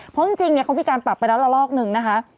เพราะจริงเขามีการปรับไปแล้วละลอกหนึ่งนะคะ